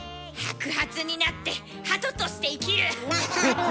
白髪になってハトとして生きる。